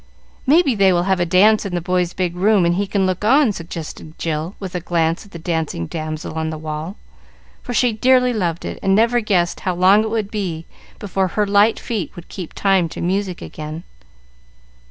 May be they will have a dance in the boys' big room, and he can look on," suggested Jill, with a glance at the dancing damsel on the wall, for she dearly loved it, and never guessed how long it would be before her light feet would keep time to music again.